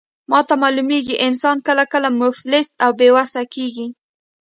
ماته معلومیږي، انسان کله کله مفلس او بې وسه کیږي.